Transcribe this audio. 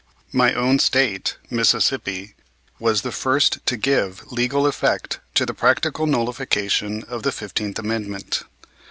My own State, Mississippi, was the first to give legal effect to the practical nullification of the Fifteenth Amendment.